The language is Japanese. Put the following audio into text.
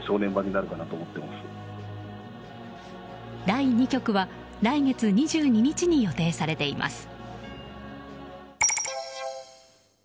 第２局は来月２２日に予定されています。